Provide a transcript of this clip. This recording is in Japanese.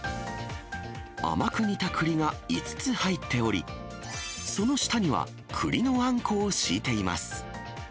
甘く煮たくりが５つ入っており、その下にはくりのあんこを敷いています。